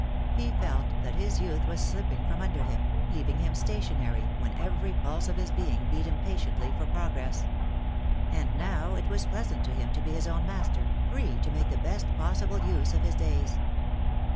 He felt that his youth was slipping from under him, leaving him stationary, when every pulse of his being beat im patiently for progress. And now it was pleasant to him to be his own master, free to make the best possible use of his days.